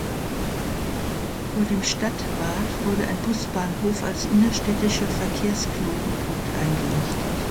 Vor dem Stadtbad wurde ein Busbahnhof als innerstädtischer Verkehrsknotenpunkt eingerichtet.